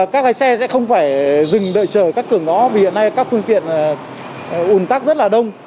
các lái xe sẽ không phải dừng đợi chờ các cường đó vì hiện nay các phương tiện ủn tắc rất là đông